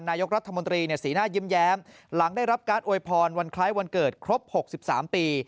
นายกรัฐมนตรีสีหน้ายิ้มแย้มหลังได้รับการอวยพรวันคล้ายวันเกิดครบ๖๓ปี